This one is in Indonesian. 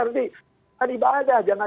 lebih adibah aja jangan